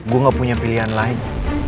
gue gak punya pilihan lagi